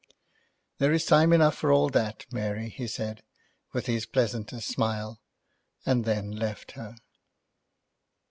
"There is time enough for all that, Mary," he said, with his pleasantest smile, and then left her.